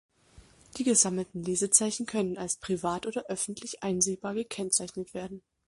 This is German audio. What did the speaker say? Die gesammelten Lesezeichen können als privat oder öffentlich einsehbar gekennzeichnet werden.